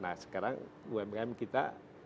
nah sekarang umkm kita